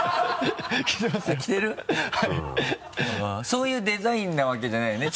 そういうデザインなわけじゃないよね？